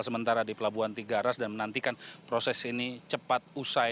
sementara di pelabuhan tiga ras dan menantikan proses ini cepat usai